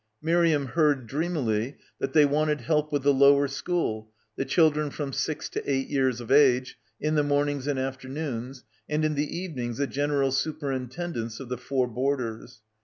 Miriam heard dreamily that they wanted help with the lower school, the children from six to eight years of age, in the mornings and afternoons, and in the evenings a general superintendence of the four boarders.